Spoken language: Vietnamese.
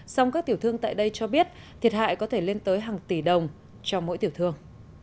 song các tiểu thương tại đây cho biết thiệt hại có thể lên tới hàng tỷ đồng cho mỗi tiểu thương